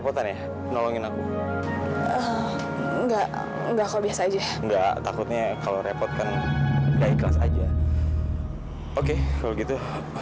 bawaan aku enggak enggak kok biasa aja takutnya kalau repot kan baik saja oke kalau gitu